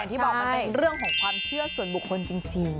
ที่บอกมันเป็นเรื่องของความเชื่อส่วนบุคคลจริง